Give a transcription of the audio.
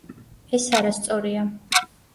ეს არასწორია.